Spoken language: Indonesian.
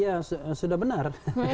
ya sudah benar